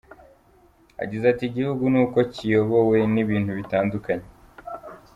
Yagize ati "Igihugu n’uko kiyobowe ni ibintu bitandukanye.